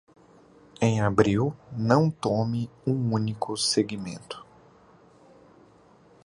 Em abril, não tome um único segmento.